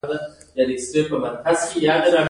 فزيک د ساينس يو په زړه پوري پوهه ده.